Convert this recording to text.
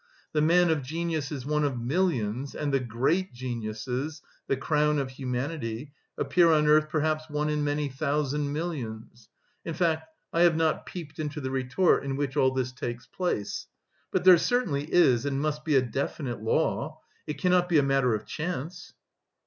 The man of genius is one of millions, and the great geniuses, the crown of humanity, appear on earth perhaps one in many thousand millions. In fact I have not peeped into the retort in which all this takes place. But there certainly is and must be a definite law, it cannot be a matter of chance."